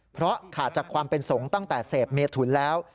เพราะขาดจากความเป็นสงฆ์ตั้งแต่เสพเมถุนแล้ว